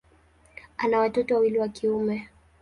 Ana watoto wawili wa kiume.